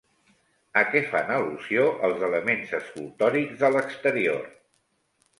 A què fan al·lusió els elements escultòrics de l'exterior?